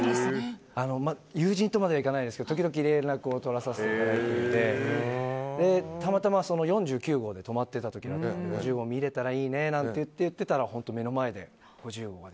友人とまではいかないですけど時々連絡を取らせていただいてたまたま、４９号で止まってた時だったので５０号見れたらいいねなんて言ってたら、本当に目の前で。